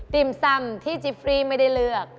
ติ่มซำที่จิฟฟรีไม่ได้เลือก